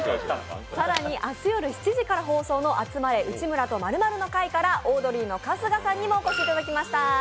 更に、明日夜７時から放送の「集まれ！内村と○○の会」からオードリーの春日さんにもお越しいただきました。